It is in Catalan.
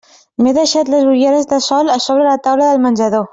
M'he deixat les ulleres de sol a sobre la taula del menjador.